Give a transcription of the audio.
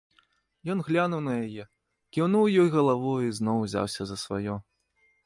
Ён глянуў на яе, кіўнуў ёй галавою і зноў узяўся за сваё.